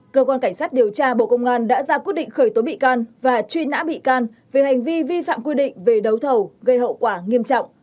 cơ quan cảnh sát điều tra bộ công an đã ra quyết định khởi tố bị can và truy nã bị can về hành vi vi phạm quy định về đấu thầu gây hậu quả nghiêm trọng